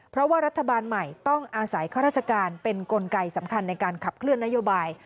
เพราะว่ารัฐบาลใหม่ต้องอาศัยข้าราชการเป็นกลไกสำคัญในการขับเคลื่อนนโยบาย